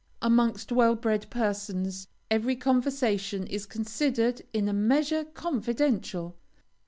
Amongst well bred persons, every conversation is considered in a measure confidential.